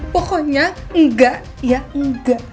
pokoknya enggak ya enggak